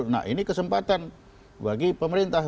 nah ini kesempatan bagi pemerintah